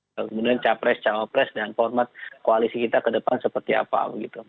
kemudian capres cawapres dan format koalisi kita ke depan seperti apa